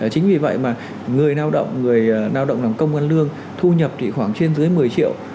chính vì vậy mà người nao động người nao động làm công an lương thu nhập thì khoảng trên dưới một mươi triệu